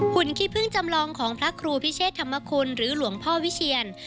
ขี้พึ่งจำลองของพระครูพิเชษธรรมคุณหรือหลวงพ่อวิเชียน